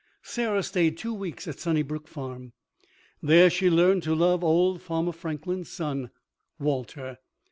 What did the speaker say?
Sarah stayed two weeks at Sunnybrook Farm. There she learned to love old Farmer Franklin's son Walter.